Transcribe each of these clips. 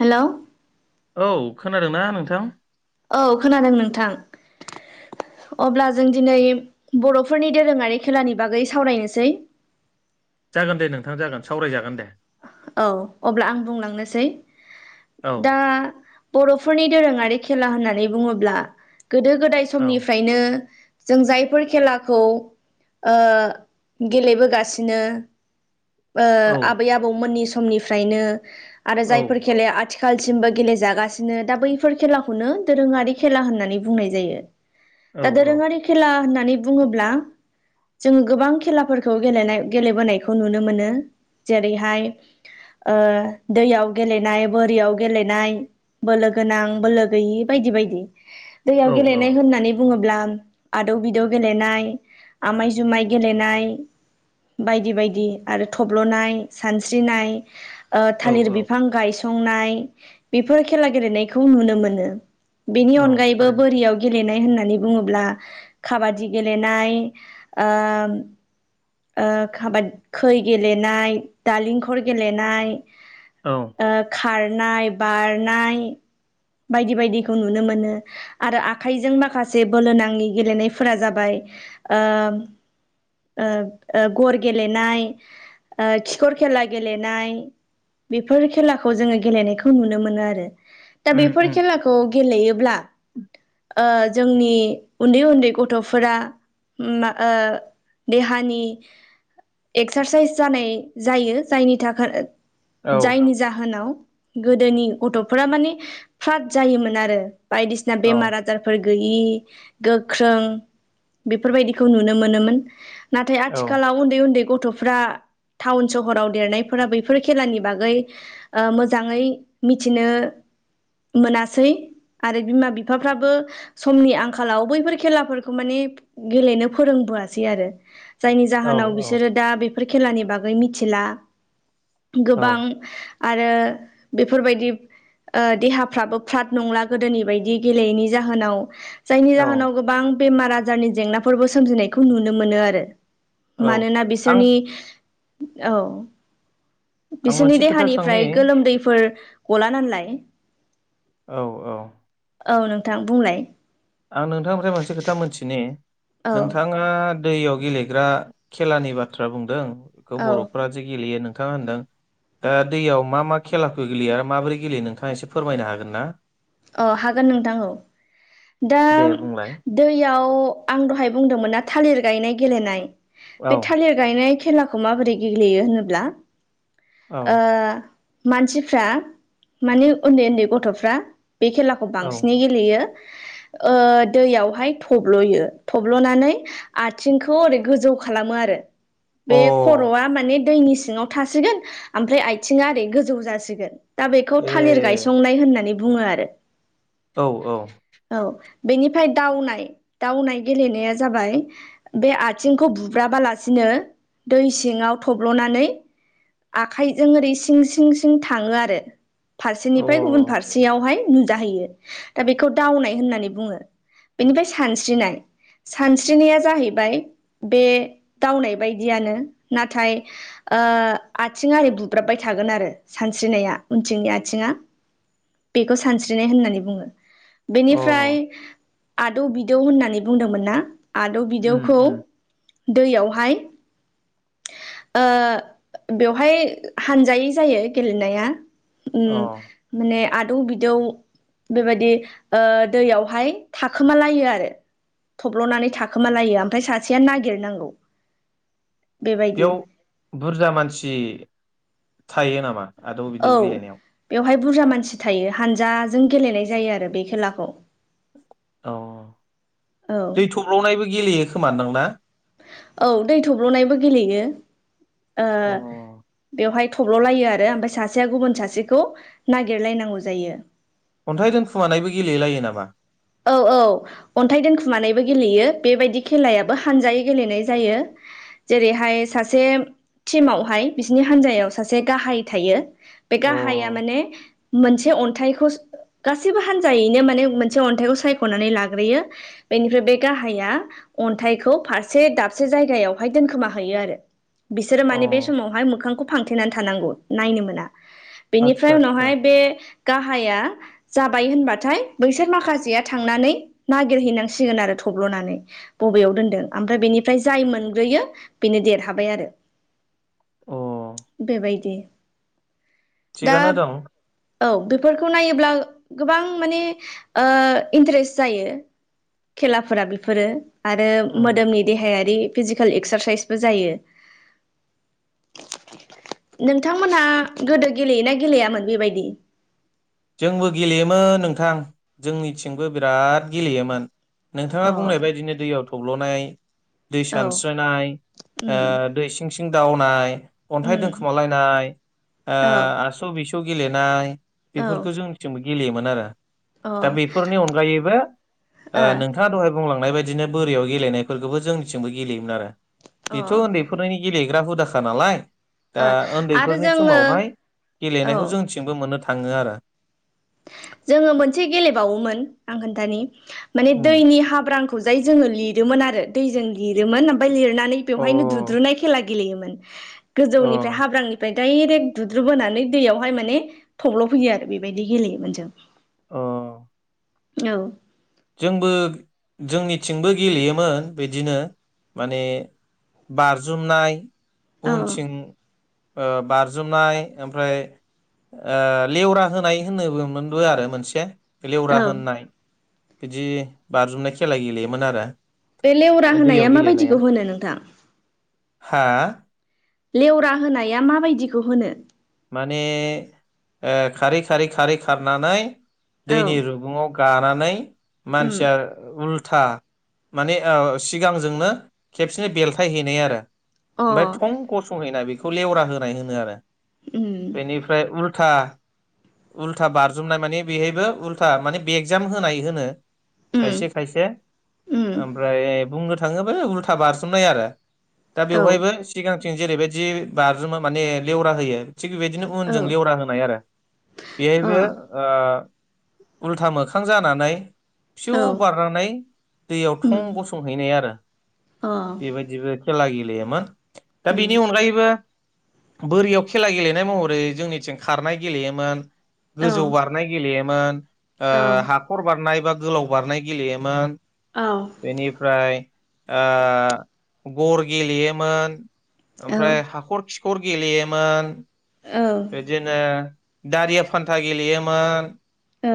Hello. औ खोनादोंना नोंथां। औ खोनादों नोंथां अब्ला जों दिनै बरफोरनि दोरोङारि खेलानि बागै सावरायनोसै। जागोन दे नोंथां जागोन सावरायजागोन दे। औ अब्ला आं बुंलांनोसै। औ दा। बरफोरनि दोरोङारि खेला होननानै बुङोब्ला। गोदो गोदाय औ समनिफ्रायनो। जों जायफोर खेलाखौ गेलेबोगासिनो। औ आबै आबौमोननि। समनिफ्रायनो। आरो औ जायफोर खेलाया आथि आथिखालसिमबो गेलेजागासिनो दा बैफोर खेलाखौनो दोरोङारि खेला होननानै बुंनाय जायो। औ दा दोरोङारि खेला होनना होननानै बुङोब्ला जोङो गोबां खेलाफोरखौ गेले गेलेबोनायखौ नुनो मोनो। नो मोनो जेरैहाय ओ दैयाव गेलेनाय बोरियाव गेलेनाय बोलो गोनां बोलो गैयि बायदि बायदि। औ दैयाव औ गेलेनाय होननानै बुङोब्ला। आदौ बिदौ गेलेनाय आमाय जुमाय गेलेनाय बायदि बायदि। आरो थब्लनाय सानस्रिनाय। ओ औ थालिर औ बिफां गाय संनाय बेफोर खेला गेलेनायखौ नुनो मोनो। बेनि औ अनगायैबो थारैनो बोरियाव गेले गेलेनाय होननानै बुङोब्ला काबादि गेलेनाय ओ खाबादि खै गेलेनाय दालिंखर गेलेनाय। उम औ उम खारनाय बारनाय। बायदि बायदिखौ नुनो मोनो आरो आखाइजों माखासे बोलो नाङि गेलेनायफोरा जाबाय ओ ओ ओ गर गेलेनाय खिखर खेला गेलेनाय बेफोर खेलाखौ जोङो गेलेनायखौ नुनो मोनो आरो। दा उम बेफोर उम खेलाखौ। गेलेयोब्ला ओ जोंनि उन्दै उन्दै गथफोरा मा ओ देहानि एकसारसाइस जानाय जायो जायनि थाखाय। औ जायनि जाहोनाव। गोदोनि गथ'फोरा माने फ्राद जायोमोन आरो। बायदिसिना औ बेमार आजारफोर गैयि गोख्रों बेफोरबायदिखौ नुनो मोनोमोन। नाथाय औ आथिखालाव उन्दै उन्दै ग गथ'फ्रा टाउन सहराव देरनायफोरा बैफोर खेलानि बागै ओ मोजाङै मिथिनो मोनासै आरो बिमा बिफाफ्राबो समनि आंखालाव बैफोर खेलाफोरखौ माने गेलेनो फोरोंबोआसै आरो। जायनि औ जाहोनाव बिसोरो दा बे फोर खेलानि बागै मिथिला। गोबां औ आरो बेफोरबायदि ओ देहा फ्राबो फ्राद नंला गोदोनि बायदि गेलेयैनि जाहोनाव। जायनि औ जाहोनाव गोबां बेमार आजारनि जेंनाफोरबो सोमजिनायखौ नुनो मोनो आरो। औ मानोना आं बिसोरनि औ। आं बिसोरनि मोनसे खोथा सोंनि देहानिफ्राय गोलोमदैफोर गला नालाय औ औ औ नोंथां बुंलाय? आं नोंथांनिफ्राय मोनसे खोथा मोनथिनि औ नोंथाङा दैयाव गेलेग्रा खेलानि बाथ्रा बुंदों? बेखौ औ बर'फ्रा जे गेलेयो नों थाङा होनदों ओ दैयाव मा मा खेलाखौ गेलेयो आरो माबोरै गेलेयो नोंथाङा एसे फोरमायनो हागोन ना? अ हागोन नोंथां औ। दा दे बुंलाय दैयाव आं दहाय बुंदोंमोन ना थालिर गायनाय गेलेनाय औ बे थालिर गायनाय खेलाखौ माबोरै गेलेयो होनोब्ला औ ओ मानसिफ्रा माने उन्दै उन्दै गथ'फ्रा बे खेलाखौ औ बांसिनै गेलेयो ओ दैयावहाय थब्ल'यो थब्ल'नानै आथिंखौ ओरै गोजौ खालामो आरो। बे खर'आ अ माने दैनि सिङाव थासिगोन ओमफ्राय आथिंङा ओरै गोजौ जासिगोन दा बेखौ थालिर ए गायसंनाय होननानै बुङो आरो । औ औ बेनिफ्राय दावनाय दावनाय गेलेनाया जाबाय बे आथिंखौ बुब्राबालासिनो दै सिङाव थब्ल'नानै आखाइजों ओरै सिं सिं सिं थाङो आरो अ फारसेनिफ्राय गुबुन फारसेयावहाय दा बेखौ दावनाय होननानै बुंङो । बेनिफ्राय सानस्रिनाया जाहैबाय बे दावनाय बायदियानो नाथाय ओ आथिंआ ओरै बुब्राबबाय थागोन आरो सानस्रिनाया उनथिंनि आथिंआ बेखौ सानस्रि नाय होननानै बुङो। बेनिफ्राय अ आदौ बिदौ होननानै बुंदोंमोन ना? आदौ उम बिदौखौ उम दैयावहाय ओ बेवहाय हानजायै जायो गेलेनाया उम अ माने आदौ बिदौ बेबायदि ओ दैयावहाय थाखोमालायो आरो थब्ल'नानै थाखोमालायो ओमफ्राय सासेया नागिरनांगौ बेबायदि बेयाव बुरजा मानसि थायो नामा? आद' बिद' औ गेलनायाव बेवहाय बुरजा मानसि थायो हानजाजों गेलेनाय जायो आरो बे खेलाखौ औ औ दै थब्ल'नायबो गेलेयो खोमा दां ना? औ दै थब्ल'नायबो गेलेयो। ओ अ बेवहाय थब्ल'लायो आरो ओमफ्राय सासेया गुबुन सासेखौ नागिरलायनांगौ जायो। अन्थाइ दोनखुमानायबो गेलेेलायो नामा? औ औ अन्थाइ दोनखुमानानैबो गेलेयो बेबायदि खेलायाबो हानजायै गेलेनाय जायो जेरैहाय सासे टिमावहाय बिसनि हानजायाव सासे गाहाय थायो। बे अ गाहाया माने मोनसे अन्थाइखौ गासिबो हान्जायैनो माने मोन से अन्थाइखौ सायख'नानै लाग्रोयो बेनिफ्राय बे गाहाया अन्थाइखौ फारसे दाबसे जायगायावहाय दोनखोमा होयो आरो बिसोरो अ माने बे समावहाय मोखांखौ फांथेनानै थानांगौ नायनो मोना। बेनिफ्राय आदसा आदसा उनावहाय बे गाहाया जाबाय होनबाथाय बै सोर माखासेया थांनानै नागिरहैनांसिगोन आरो थब्ल'नानै बबेयाव दोनदों ओमफ्राय बेनिफ्राय जाय मोनग्रोयो बेनो देरहाबाय आरो अ बेबायदि दा थिगानो दं औ बेफोरखौ नायोब्ला गोबां माने ओ इन्टारेस्ट जायो खेलाफोरा बेफोरो आरो उम मोदोमनि देहायारि फिजिकेल एक्सारसाइसबो जायो नोंथांमोनहा गोदो गेलेयोना गेलेयामोन बेबायदि जोंबो गेलेयोमोन नोंथां जोंनिथिंबो बिराद गेलेयोमोन अ नोंथाङा बुंनाय बदिनो दैयाव थब्ल'नाय [inaudible] दै औ सानस्रोनाय उम ओ दै सिं सिं सिं दावनाय अन्थाइ उम दोनखोमालायनाय ओ औ आस' बिस' थु गेलेनाय औ बेफोरखौ जों मिथिनो मोन गेलेयो मोन आरो‌ अ दा ओ बेफोरनि अनगायैबो ओ अ नोंथाङा दहाय बुंलांनाय बायदिनो बोरियाव गेलेनायफोरखौबो जोंनिथिंबो गेलेयोमोन आरो ओ बेथ' उन्दैफोरनि गेलेग्रा हुदाखा नालाय दा आरो उन्दैफोरनि जोङो समावहाय औ गेलेनायखौ जोंथिंबो मोननो था थाङो आरो जोङो मोनसे गेलेबावोमोन आं खोनथानि माने उम दैनि हाब्रांखौ जाय जों जोङो लिरोमोन आरो दैजों लिरोमोन ओमफ्राय लिर लिरनानै अ बेवहायनोु दुद्रुनाय खेला गेलेयोमोन अ गोजौनिफ्राय हाब्रांनिफ्राय डाइरेक्ट दुद्रुब बोनानै दैयावहाय माने थब्ल'फैयो आरो बेबायदि गेलेयोमोन जों अ औ जोंबो जोंनिथिंबो गेलेयोमोन बिदिनो माने बारजुमनाय औ उनथिं ओ बारजुमनाय ओमफ्राय ओ लेवरा होनाय होनोबो मोनबो आरो मोनसे औ लेवरा होननाय बिदि बारजुमनाय खेला गेलेयोमोन आरो बे लेवरा दैयाव होनाया गेलेनाया माबायदिखौ होनो नोंथां हा लेवरा होनाया माबायदिखौ होनो माने ओ खारै खारै खारै खारनानै औ दैनि रुुबुंङाव गानानै उम मानसिया उल्थ था माने सिगांजोंनो खेबसेनो बेलथाय हैनाय आरो अ ओमफ्राय थं गसंहैना बे बेखौ लेवरा होनाय होनो आरो उम बेनिफ्राय उल्था उल्था बारजुमनाय माने बेहायबो उल्था माने बेग जाम होनाय होनो उम खायसे खायसे ओम ओमफ्राय बुंनो थाङोबा उल्था बारसोमनाय आरो दा औ बेवहायबो सिगां जों जेरैबायदि बाज्रुमो माने लेव [inaudible] थिग बेबायदिनो औ उनजों अ लेवरा होनाय आरो औ बेवहायबो ओ उल्था मोखां जानानै फिउ औ बारनानै दैयाव थं गसंहैनाय आरो औ बेबायदिबो खेला गेलेयोमोन दा बेनि अनगायैबो बोरियाव खेला गेलेनाय महरै जोंनिथिं खारनाय गेलेयोमोन गोजौ बारनाय गेलेयो मोन ओ हाखर बारनाय बा गोलाव बारनाय गेलेयोमोन बेनिफ्राय ओ गर गेलेयोमोन ओमफ्राय हाखर खिखर गेलेयोमोन बेदिनो दारिया फान्था गेलेयोमोन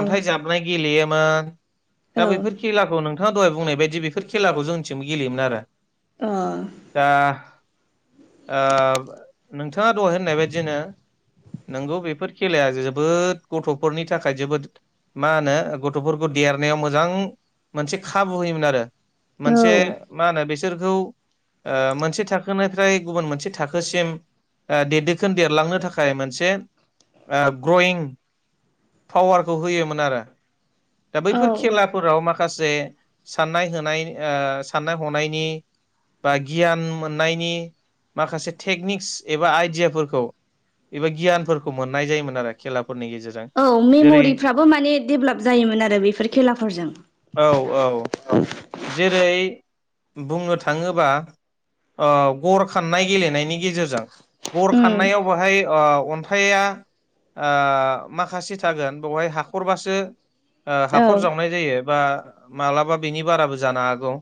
अन्थाइ जाबनाय गेलेयो मोन दा बैफोर खेलाखौ नों नोंथाङा दहाय बुंनाय बायदि बेफोर खेलाखो जोंनिथिंबो गेलयोन आरो अ [unintelligible] दा ओ नोंथाङा दहाय होननाय बायदिनो [unintelligible] नोंगौ बेफोर खेलाया जोबोद गथ'फोरनि थाखाय जोबोद मा होनो गथ'फोरखौ देरनायाव मोजां मोनसे खाबु होयोमोन आरो मोनसे औ मा होनो बेसे [inaudible] [unintelligible] बिस मोनसे थाखोनिफ्राय गुबुन मोनसे थाखोसिम देरदोखोन देरलांनो थाखाय [unintelligible] थाखाय मोनसे ओ ग्रयिं पावारखौ होयोमोन आरो [unintelligible] दा बैफोर खेलाफोराव माखासे [inaudible] माखासे साननाय होनाय साननाय हनायनि बा गियान मोननायनि माखासे टेकनिक्स एबा आइडियाफोरखौ एबा गियानफोरखौ मोननाय जायोमोन आरो खेला औ मेम'रिफ्राबो माने डेभेलप जायोमोन आरो बेफोर औ औ खेलाफोरजों जेरै [inaudible] बुंनो थाङोबा गर खान्नाय गेलेनायनि गेजेरजों गर उम, खांन्नायाव थाय ओ अन्थाया ओ माखासे थागोन बेवहाय हाखरबासो ओ औ हाखर जावनाय जायो। बा माब्लाबा बेनि बाराबो जानो हागौ।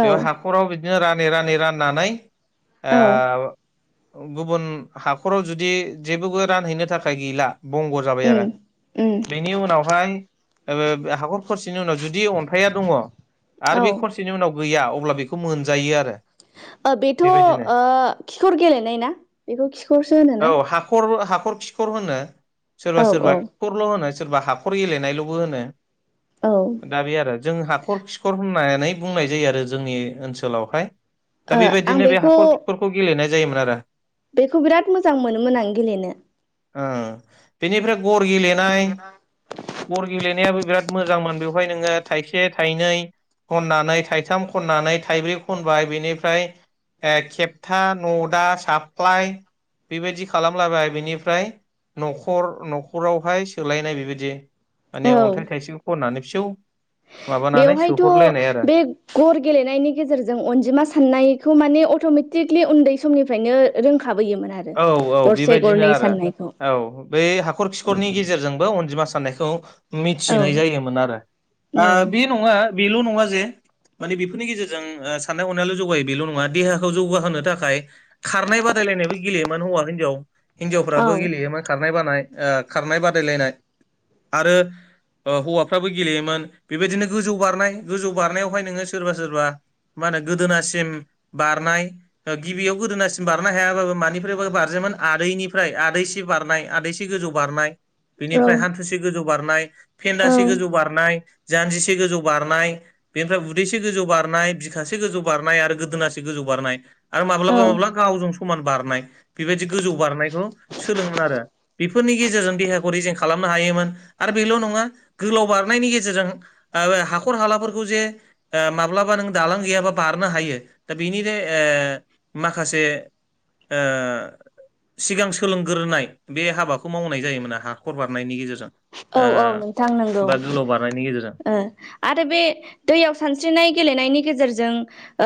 औ बेयाव हाखराव बिदिनो रा नै रानै राननानै ओ औ गुबुन हा खराव जुदि जेबो रानहैनो थाखाय गैला । बंग' जाबाय आरो उम, उम, बेनि उनाव फाय [unintelligible] हाखर खरसेनि उनाव जुदि अन्थाइा दङ। आरो औ बे खरसेनि उनाव गैया अब्ला बेखौ मोनजायो आरो। ओ बेथ' ओ बेबायदिनो खिखर गेलेनाय ना बेखौ खिखर औ हाखर ह हाखर खिखर होनो । सोरबा औ औ सोरबा खरल' होनो। सोरबा हाखर गेलेनायल'बो होनो। ओ दा बे आरो जों हाखर खिखर होन होननानै बुंनाय जायो आरो जोंनि ओनसोलावहाय। दा आं बेबायदिनो बे हाखर बेखौ खिखरखौ गेलेनाय। जायोमोन आरो। बेखौ बिराद मोजां मोनोमोन आं गेलेनो। ओं बेनिफ्राय गर गेलेनाय गर गेलेनायाबो बिराद मोजांमोन बेवहाय नोङो थाइसे थाइनै खननानै थाइथाम खननानै थाइब्रै खनबाय बेनिफ्राय ओ खेबथा नदा सापख्लाय। बेबायदि खालामलाबाय बेनिफ्राय न'खर न'खरावहाय सोलायनाय बेबायदि माने औ अन्थाइ थाइसे खननानै फिउ बेवहायथ' बे गर गेलेनायनि गेजेरजों अनजिमा साननायखौ माने अट'मेटिक। ट्रिकलि उन्दै समनिफ्रायनो रों औ औ बेबायदिनो आरो साननायखौ औ बै हाखर खिखरनि गेजेरजोंबो अनजिमा सा साननायखौ। औ मिथिनाय जायोमोन आरो आ औ बि नङा। बेल' नंङा जे माने बेफोरनि गेजेरजों ओ साननाय हनायाल' जौगायो बेल' नंङा देहाखौ जौगाहोनो थाखाय खारनाय बादायलायनाय बो गेलेयोमोन हौवा हिनजाव औ हिन्जावफ्राबो गेलेयो मा खालाम खारनाय बानाय ओ खारनाय बादायलायनाय आरो ओ हौवाफ्राबो गेलेयोमोन बेबायदिनो गोजौ बारनाय गोजौ बारनायावहाय नोङो सोरबा सोरबा मा होनो गोदोनासिम बारनाय ओ गिबियाव गोदोनासिम बारनो हायाब्लाो मा निफ्रायबो बारजायोमोन आदैनिफ्राय आदै सि बारनाय आदैसि गोजौ बारनाय बेनिफ्राय हान्थुसे गोजौ बारनाय फेन्दासे गोजौ औ बारनाय जान्जिसे गोजौ बारनाय बेनिफ्राय उदैसे गोजौ बारनाय बिखासे गोजौ बारनाय आरो गोदोनासे गोजौ बारनाय आरो औ माब्लाबा माब्लाबा गावजों स समान बारनाय बेबायदि गोजौ बारनायखौ सोलोंङोमोन आरो बेफोरनि गेजेरजों देहाखौ रेजें खालामनो हायोमोन आरो बेल' नंङा गोलाव बारनायनि गेजेरजों आबो हाखर हालाफोरखौ जे माब्लाबा नों दालां गैयाबा बारनो हायो दा बेनिजे ए माखासे ओ सिगां सोलोंगोरनाय बे हाबाखौ मावनाय जायोमोन हाखर बारनायनि गेजेरजों । औ औ नोंथां नंगौ गेजेरजों ओ आरो बे दैयाव सानस्रिनाय गेलेनायनि गेजेरजों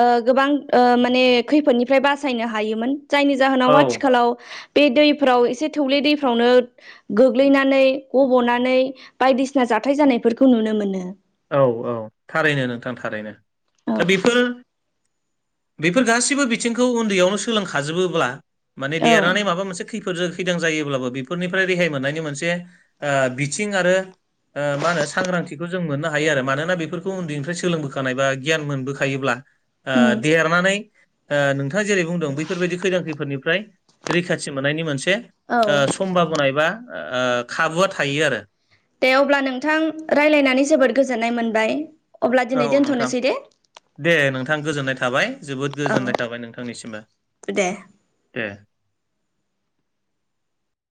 ओ गोबां ओ माने खैफोदनिफ्राय बासायनो हायोमोन जायनि जाहोनाव औ आथिखालाव बे दै फ्राव एसे थौले दैफ्रावनो गोग्लैनानै गब बनानै बायदिसिना जाथाय जानायफोरखौ नुनो मोनो । औ औ थारैनो नोंथां थारैनो । दा बेफोर बेफोर गासिबो बिथिंखौ उन्दैयावनो सोलोंखाजोबोब्ला माने औ देरनानै माबा मोनसे थिफोरजों खैदां जायोब्लाबो बेफोरनिफ्राय रेहाय मोननायनि मोनसे ओ बिथिं आरो ओ मा होनो सांग्रांथिखौ जों मोननो हायो । हायो आरो मानोना बेफोरखौ उन्दैनिफ्राय सोलोंबोखानाय बा गियान मोनबोखायोब्ला ओ उम देरनानै ओ नोंथ नोंथांङा जेरै बुंदों बैफोरबायदि खैदां खैफोरनिफ्राय रैखाथि मोननायनि मोनसे औ हे समभाबा एबा ओ खाबुआ थायो आरो दे अब्ला नोंथां रायज्लायनानै जोबोद गोजोननाय मोनबाय । औ नोंथां दे नोंथां गोजोननाय थाबाय । जोबोद औ गोजोननाय थाबाय नोंथांनिसिमबो दे दे ।